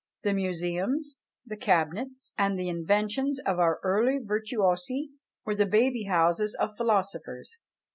The museums, the cabinets, and the inventions of our early virtuosi were the baby houses of philosophers.